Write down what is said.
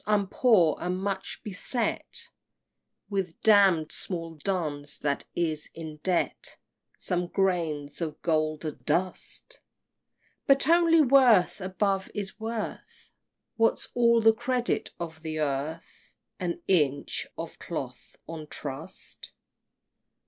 I'm poor, and much beset With damn'd small duns that is in debt Some grains of golden dust! But only worth, above, is worth. What's all the credit of the earth? An inch of cloth on trust?